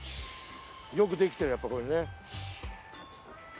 よくできてるやっぱこれね。